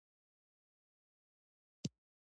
له واده کولو وړاندې دواړه سترګې خلاصې لره.